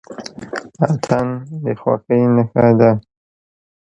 اتن د خوښۍ نښه ده.